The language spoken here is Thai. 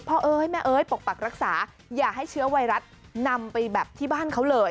เอ้ยแม่เอ๋ยปกปักรักษาอย่าให้เชื้อไวรัสนำไปแบบที่บ้านเขาเลย